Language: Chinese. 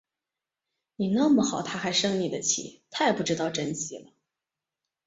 你那么好，她还生你的气，太不知道珍惜了